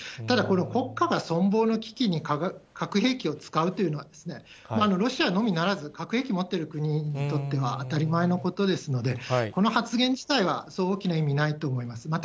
ただ、この国家が存亡の危機に核兵器を使うというのは、ロシアのみならず、核兵器持っている国にとっては当たり前のことですので、この発言自体はそう大きな意味ないと思います。